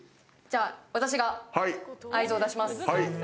私が合図を出します。